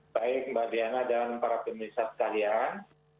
baik mbak diana dan para pemirsa sekalian